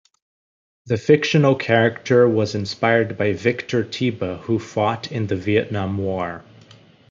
The fictional character was inspired by Victor Tiba who fought in the Vietnam War.